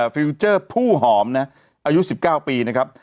ฟิลเจอร์ผู้หอมนะอายุ๑๙ปีนะครับ